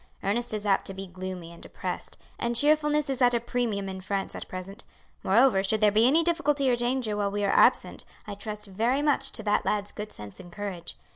Ernest is apt to be gloomy and depressed, and cheerfulness is at a premium in France at present. Moreover, should there be any difficulty or danger while we are absent I trust very much to that lad's good sense and courage.